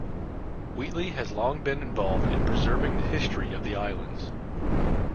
Wheatley has long been involved in preserving the history of the islands.